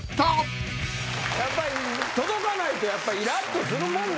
やっぱり届かないとイラッとするもんでしょうね。